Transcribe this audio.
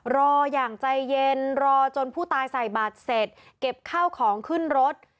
รออย่างใจเย็นรอจนผู้ตายใส่บาทเสร็จเก็บข้าวของขึ้นรถ